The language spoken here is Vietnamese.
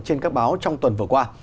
trên các báo trong tuần vừa qua